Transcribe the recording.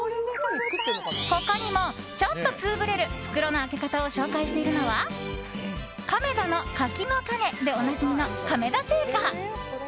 他にも、ちょっとツウぶれる袋の開け方を紹介しているのは亀田の柿の種でおなじみの亀田製菓。